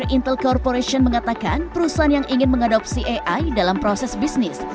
intel corporation mengatakan perusahaan yang ingin mengadopsi ai dalam proses bisnis